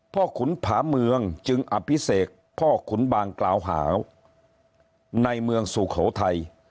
ขุนผาเมืองจึงอภิเษกพ่อขุนบางกล่าวหาวในเมืองสุโขทัย